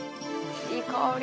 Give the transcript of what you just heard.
いい香り。